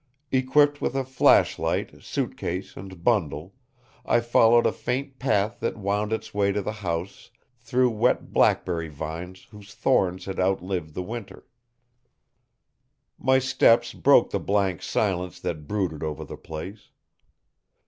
Equipped with a flashlight, suitcase and bundle, I followed a faint path that wound its way to the house through wet blackberry vines whose thorns had outlived the winter. My steps broke the blank silence that brooded over the place.